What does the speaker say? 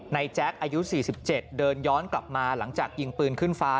แจ๊คอายุ๔๗เดินย้อนกลับมาหลังจากยิงปืนขึ้นฟ้า